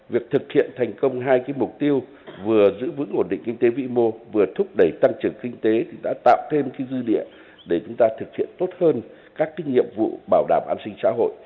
vừa giữ vững ổn định kinh tế vĩ mô vừa thúc đẩy tăng trưởng kinh tế thì đã tạo thêm cái dư địa để chúng ta thực hiện tốt hơn các cái nhiệm vụ bảo đảm an sinh xã hội